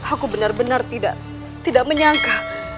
aku benar benar tidak menyangka